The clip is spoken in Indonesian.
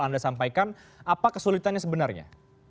anda sampaikan apa kesulitannya sebenarnya